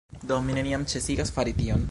Do mi neniam ĉesigas fari tion